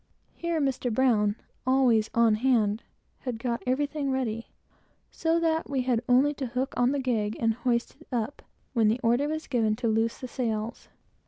Here Mr. Brown, always "on hand," had got everything ready, so that we had only to hook on the gig and hoist it up, when the order was given to loose the sails.